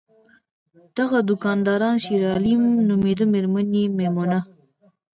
دغه دوکاندار شیرعالم نومیده، میرمن یې میمونه!